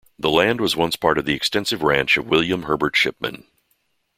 The land was once part of the extensive ranch of William Herbert Shipman.